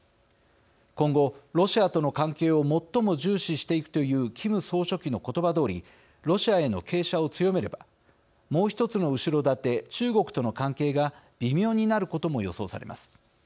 「今後、ロシアとの関係を最も重視していく」というキム総書記の言葉どおりロシアへの傾斜を強めればもう１つの後ろ盾中国との関係が微妙になることも予想されます。